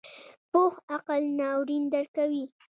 پوخ عقل ناورین درکوي